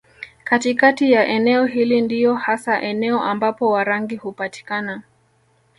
Katikati ya eneo hili ndiyo hasa eneo ambapo Warangi hupatikana